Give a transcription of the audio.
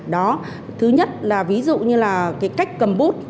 đó thứ nhất là ví dụ như là cái cách cầm bút